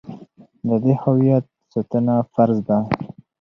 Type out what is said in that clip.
د دې هویت ساتنه فرض ده.